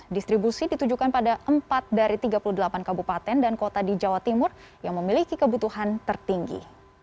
distribusi ditujukan pada empat dari tiga puluh delapan kabupaten dan kota di jawa timur yang memiliki kebutuhan tertinggi